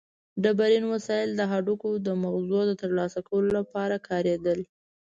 ډبرین وسایل د هډوکو د مغزو د ترلاسه کولو لپاره کارېدل.